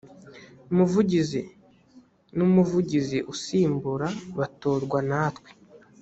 umuvugizi n umuvugizi usimbura batorwa natwe